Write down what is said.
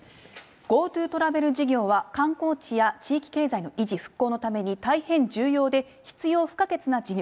ＧｏＴｏトラベル事業は、観光地や地域経済の維持、復興のために大変重要で、必要不可欠な事業。